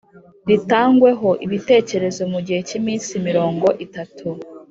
ritangweho ibitekerezo mu gihe cy iminsi mirongo itatu